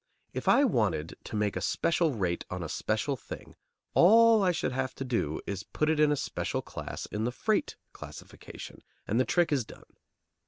If I wanted to make a special rate on a special thing, all I should have to do is to put it in a special class in the freight classification, and the trick is done.